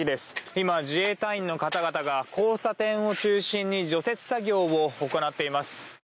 今、自衛隊員の方々が交差点を中心に除雪作業を行っています。